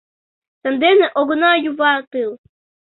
Сандене огына юватыл!